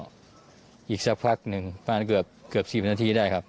แล้วก็อีกสักพักนึงป้านเกือบสิบนาทีได้ครับ